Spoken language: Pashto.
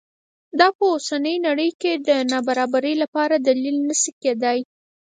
دا په اوسنۍ نړۍ کې د نابرابرۍ لپاره دلیل نه شي کېدای.